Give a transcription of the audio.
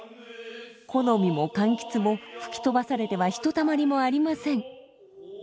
木の実も柑橘も吹き飛ばされてはひとたまりもありません。